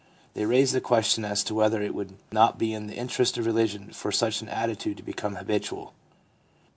They raise the question as to whether it would not be in the interest of religion for such an attitude to become habitual.